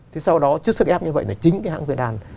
thì sau đó trước sức ép như vậy là chính cái hãng bế đan